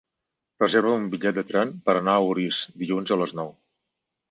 Reserva'm un bitllet de tren per anar a Orís dilluns a les nou.